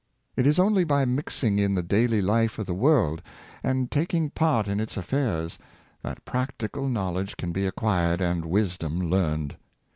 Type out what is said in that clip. It is only by mixing in the daily life of The School of Experience, 621 the world, and taking part in its affairs, that practical knowledge can be acquired and wisdom learned.